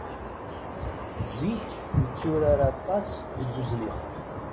Zik netturar aṭas deg uzniq.